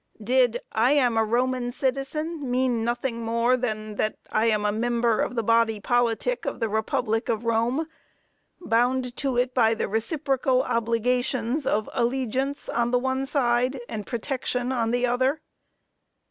Did "I am a Roman citizen," mean nothing more than that I am a "member" of the body politic of the republic of Rome, bound to it by the reciprocal obligations of allegiance on the one side, and protection on the other?